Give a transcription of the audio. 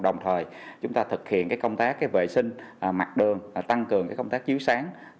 đồng thời chúng ta thực hiện công tác vệ sinh mặt đường tăng cường công tác chiếu sáng